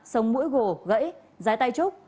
sông mũi gồ gãy dái tay trúc